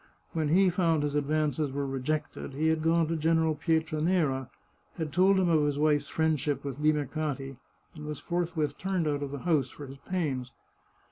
When he found his advances were rejected, he had gone to General Pietranera, had told him of his wife's friendship with Limercati, and was forthwith turned out of the house for his pains.